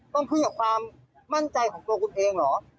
ต้องขึ้นกับความมั่นใจของตัวคุณเองเหรอ